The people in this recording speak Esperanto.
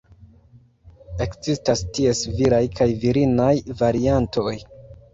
Ekzistas ties viraj kaj virinaj variantoj.